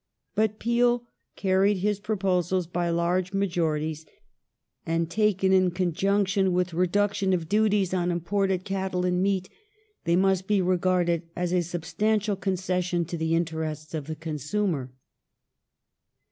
^ But Peel carried his pro posals by large majorities, and, taken in conjunction with reduction of duties on imported cattle and meat, they must be regarded as a substantial concession to the interests of the consumer.